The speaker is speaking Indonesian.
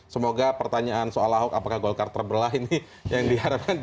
semoga pertanyaan soal ahok apakah golkar terbelah ini yang diharapkan